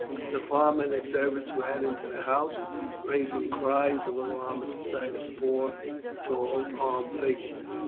The farmer and his servants ran into the house, raising cries of alarm at the sight of the four tall armed figures.